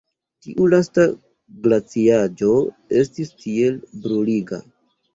Tiu lasta glaciaĵo estis tiel bruliga!